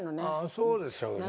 そうでしょうね。